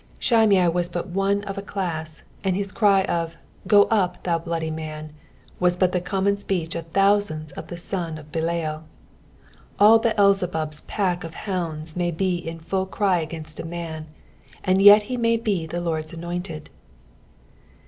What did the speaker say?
Bhimei was but one of a class, and hia cry of " Go up, thou bloody man," was but the common speech of thousands of the son of Belial. All Beelzebub's pack of hounds may be in foil vry against a man, and yet he may be the Lord's anointed.